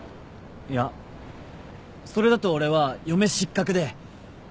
いやそれだと俺は嫁失格で。